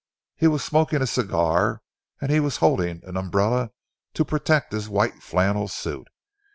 He was smoking a cigar and he was holding an umbrella to protect his white flannel suit.